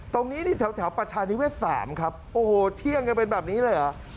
ตรงนี้นี่แถวประชานิเวศ๓ครับโอ้โหเที่ยงกันเป็นแบบนี้เลยเหรอ